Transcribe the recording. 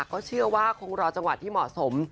ก็เชื่อว่าคงรอจังหวัดที่เหมาะสม